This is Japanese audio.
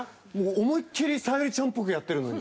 思いっ切りさゆりちゃんっぽくやってるのに。